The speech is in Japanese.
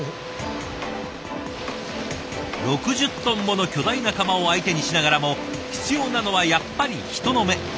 ６０トンもの巨大な釜を相手にしながらも必要なのはやっぱり人の目。